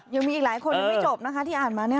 ยังมีอีกหลายคนยังไม่จบนะคะที่อ่านมาเนี่ย